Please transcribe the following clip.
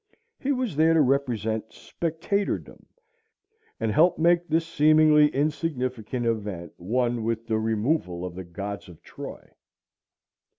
He was there to represent spectatordom, and help make this seemingly insignificant event one with the removal of the gods of Troy.